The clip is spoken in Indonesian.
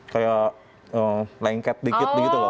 kayak lengket dikit begitu loh